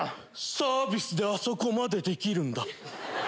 サービスであそこまでできるんだ。